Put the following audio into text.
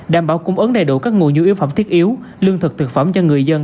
đảm bảo cung ứng đầy đủ các nguồn nhu yếu phẩm thiết yếu lương thực thực phẩm cho người dân